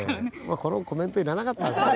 このコメント要らなかったですね。